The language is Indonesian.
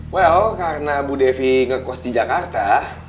well karena bu devi ngekost di jakarta